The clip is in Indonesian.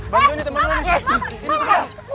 bangun nih temen lu